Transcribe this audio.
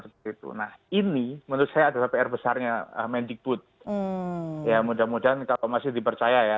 seperti itu nah ini menurut saya adalah pr besarnya mendikbud ya mudah mudahan kalau masih dipercaya ya